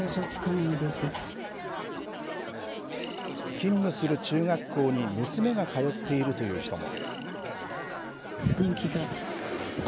勤務する中学校に娘が通っているという人も。